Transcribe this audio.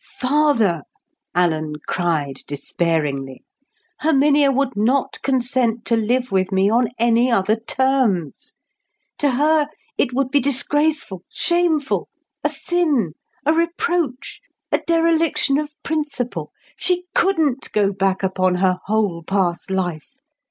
"Father," Alan cried despairingly, "Herminia would not consent to live with me on any other terms. To her it would be disgraceful, shameful, a sin, a reproach, a dereliction of principle. She couldn't go back upon her whole past life.